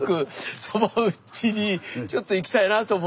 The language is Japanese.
そば打ちにちょっと行きたいなと思ってんですけど。